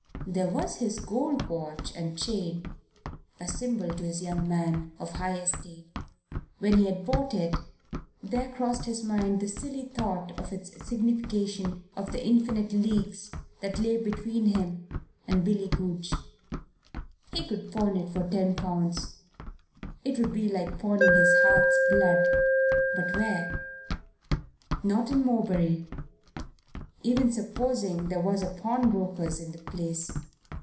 There was his gold watch and chain, a symbol, to his young mind, of high estate. When he had bought it there crossed his mind the silly thought of its signification of the infinite leagues that lay between him and Billy Goodge. He could pawn it for ten pounds it would be like pawning his heart's blood but where? Not in Morebury, even supposing there was a pawnbroker's in the place.